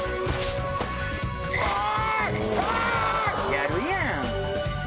やるやん！